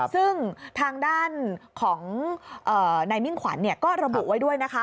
ซึ่งทางด้านของนายมิ่งขวัญก็ระบุไว้ด้วยนะคะ